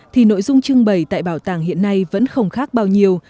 thì nội dung trưng bày tại bảo tàng hiện nay vẫn không khác bao nhiêu